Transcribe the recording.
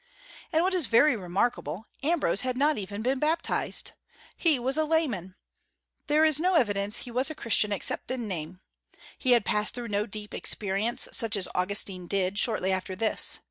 And what is very remarkable, Ambrose had not even been baptized. He was a layman. There is no evidence that he was a Christian except in name. He had passed through no deep experience such as Augustine did, shortly after this.